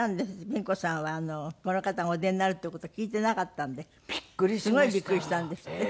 ピン子さんはこの方がお出になるって事を聞いてなかったんですごいビックリしたんですって？